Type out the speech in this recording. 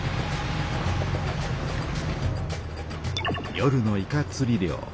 夜のイカつり漁。